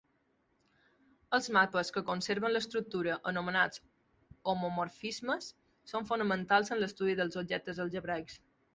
Els mapes que conserven l'estructura anomenats "homomorfismes" són fonamentals en l'estudi dels objectes algebraics.